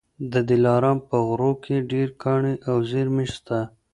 د دلارام په غرو کي ډېر کاڼي او زېرمې سته.